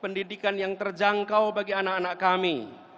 pendidikan yang terjangkau bagi anak anak kami